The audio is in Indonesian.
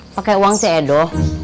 pake uang cik edo